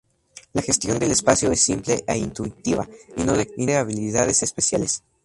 La gestión del espacio es simple e intuitiva y no requiere habilidades especiales.